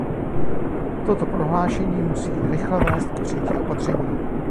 Toto prohlášení musí rychle vést k přijetí opatření.